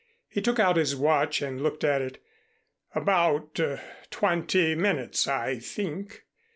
He took out his watch and looked at it. "About twenty minutes, I think.